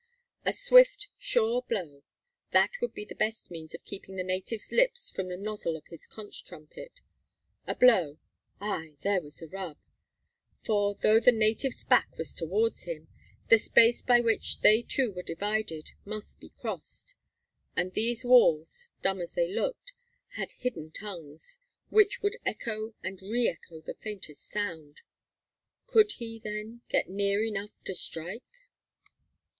A swift, sure blow that would be the best means of keeping the native's lips from the nozzle of his conch trumpet. A blow ay, there was the rub! For, though the native's back was towards him, the space by which they two were divided must be crossed; and these walls, dumb as they looked, had hidden tongues, which would echo and re echo the faintest sound. Could he, then, get near enough to strike?